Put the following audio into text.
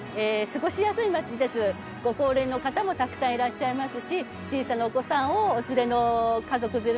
ご高齢の方もたくさんいらっしゃいますし小さなお子さんをお連れの家族連れの方もたくさんいます。